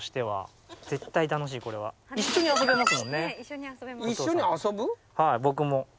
はい僕も。